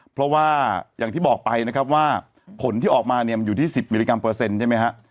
เพราะว่าอย่างที่บอกไปนะครับว่าผลที่ออกมาเนี่ยมันอยู่ที่๑๐มิลลิกรัมเปอร์เซ็นต์ใช่ไหมฮะ